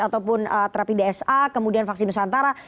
ataupun terapi dsa kemudian vaksin nusantara